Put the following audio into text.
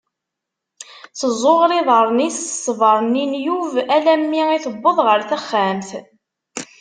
Teẓuɣer iḍaren-is s sber-nni n Yub alammi i tewweḍ ɣer texxamt.